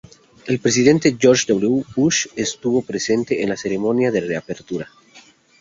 El presidente George W. Bush estuvo presente en la ceremonia de reapertura.